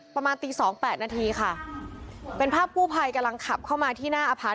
ประมาณตีสองแปดนาทีค่ะเป็นภาพกู้ภัยกำลังขับเข้ามาที่หน้าอพาร์ท